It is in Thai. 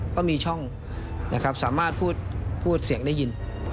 ก็มีช่องนะครับสามารถพูดเสียงได้ยิน